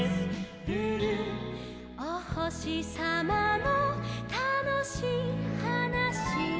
「おほしさまのたのしいはなし」